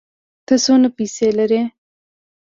ته څونه پېسې لرې؟